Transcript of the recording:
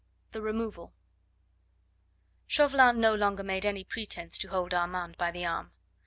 THE REMOVAL Chauvelin no longer made any pretence to hold Armand by the arm.